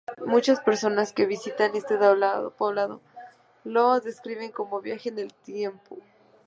Muchas personas que visitan este poblado los describen como un viaje en el tiempo.